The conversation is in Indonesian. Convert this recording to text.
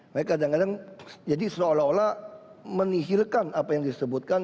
mereka kadang kadang jadi seolah olah menihilkan apa yang disebutkan